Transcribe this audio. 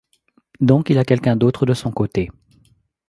Donc il a quelqu’un d’autre de son côté.